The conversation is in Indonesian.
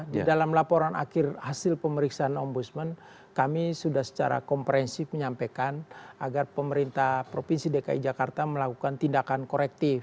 di dalam laporan akhir hasil pemeriksaan ombudsman kami sudah secara komprehensif menyampaikan agar pemerintah provinsi dki jakarta melakukan tindakan korektif